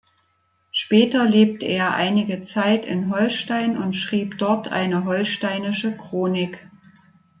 Später lebte er einige Zeit in Holstein und schrieb dort eine Holsteinische Chronik.